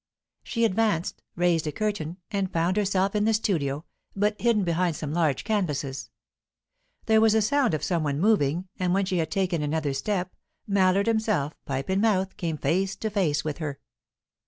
She advanced, raised a curtain, and found herself in the studio, but hidden behind some large canvases. There was a sound of some one moving, and when she had taken another step, Mallard himself, pipe in mouth, came face to face with her.